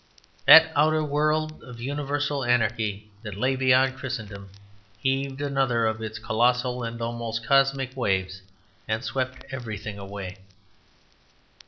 That outer world of universal anarchy that lay beyond Christendom heaved another of its colossal and almost cosmic waves and swept everything away.